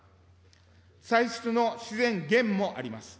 歳出の自然減もあります。